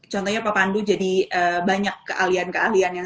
contohnya pak pandu jadi banyak kealiannya